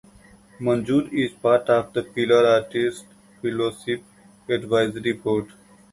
Manzoor is part of the Pillars Artist Fellowship Advisory Board.